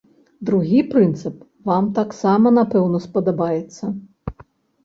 Другі прынцып вам таксама напэўна спадабаецца.